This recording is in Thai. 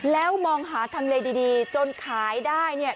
แล้วมองหาทำเลดีจนขายได้เนี่ย